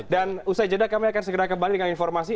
dan usai jeda kami akan segera kembali dengan informasi